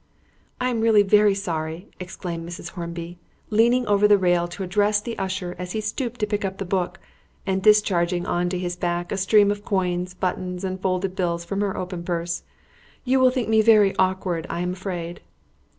"I am really very sorry!" exclaimed Mrs. Hornby, leaning over the rail to address the usher as he stooped to pick up the Book, and discharging on to his back a stream of coins, buttons and folded bills from her open purse; "you will think me very awkward, I'm afraid."